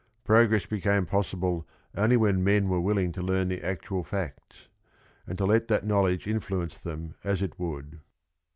Progress became possible only when men were willing to learn the actual facts, and to let that knowledge influence them as it would.